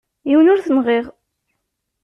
Yiwen ur t-nɣiɣ.